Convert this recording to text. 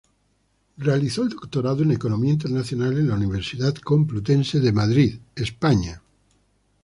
Realizó el Doctorado en Economía Internacional en la Universidad Complutense de Madrid, España.